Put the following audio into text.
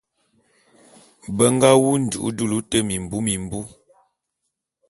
Be nga wu nju'u dulu te mimbi mimbu.